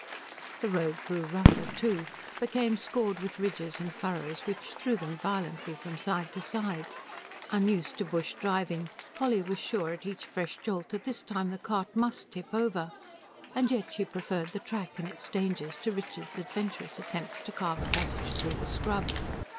The road grew rougher, too became scored with ridges and furrows which threw them violently from side to side. Unused to bush driving, Polly was sure at each fresh jolt that this time the cart MUST tip over; and yet she preferred the track and its dangers to Richard's adventurous attempts to carve a passage through the scrub.